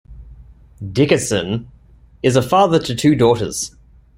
Dickerson is a father to two daughters.